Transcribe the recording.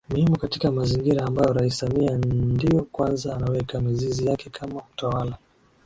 ni muhimu katika mazingira ambayo Rais Samia ndiyo kwanza anaweka mizizi yake kama mtawala